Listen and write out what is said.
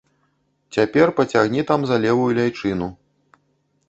Цяпер пацягні там за левую ляйчыну.